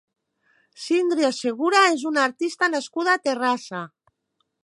Síndria Segura és una artista nascuda a Terrassa.